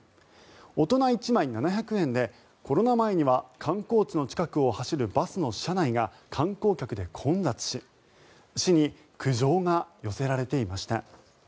大人１枚７００円でコロナ前には観光地の近くを走るバスの車内が観光客で混雑し市に苦情が寄せられていました。